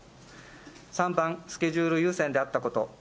３番、スケジュール優先であったこと。